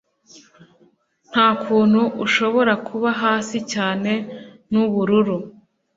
Nta kuntu ushobora kuba hasi cyane nubururu